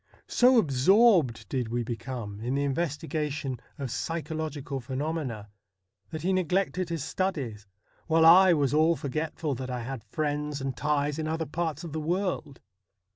So absorbed did we become in the inves tigation of psychological phenomena that he neglected his studies, while I was all forgetful that I had friends and ties in other parts of the world.